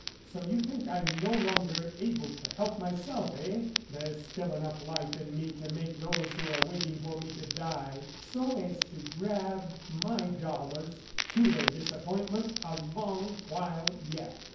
"So you think I am no longer able to help myself, eh! ... There's still enough life in me to make those who are waiting for me to die, so as to grab my dollars, chew their disappointment a long while yet!"